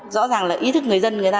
rõ ràng là ý thức người dân